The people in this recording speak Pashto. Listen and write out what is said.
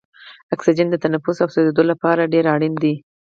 اکسیجن د تنفس او سوځیدو لپاره ډیر اړین دی.